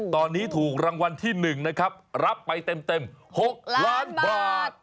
ตอนนี้ถูกรางวัลที่๑นะครับรับไปเต็ม๖ล้านบาท